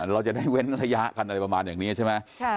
เราจะได้เว้นระยะกันอะไรประมาณอย่างนี้ใช่ไหม